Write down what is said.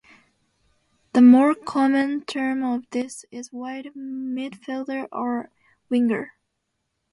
The more common term for this is wide midfielder or winger.